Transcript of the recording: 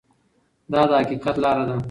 دا د حقیقت لاره ده.